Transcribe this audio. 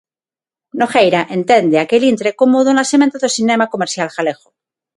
Nogueira entende aquel intre como o do nacemento do cinema comercial galego.